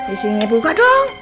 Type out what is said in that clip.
isinya buka dong